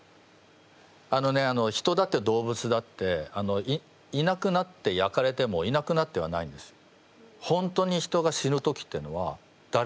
あのね人だって動物だっていなくなって焼かれてもいなくなってはないんですよ。